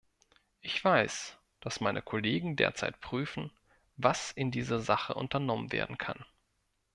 Ich weiß, dass meine Kollegen derzeit prüfen, was in dieser Sache unternommen werden kann.